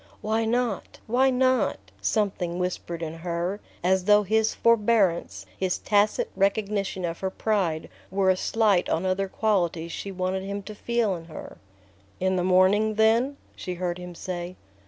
"Why not ... why not?" something whispered in her, as though his forbearance, his tacit recognition of her pride, were a slight on other qualities she wanted him to feel in her. "In the morning, then?" she heard him say.